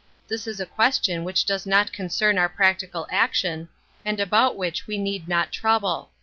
This in a qtumticm which does not concern our Iirnctical action and about which we need not trouble.